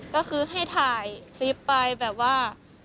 ก็คือให้ถ่ายคลิปไปแบบว่า